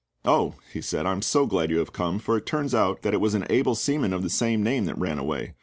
"Oh," he said, "I am so glad you have come, for it turns out that it was an able seaman of the same name that ran away.